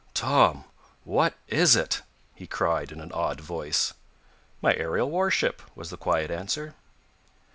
"Tom, what is it?" he cried in an awed voice. "My aerial warship!" was the quiet answer.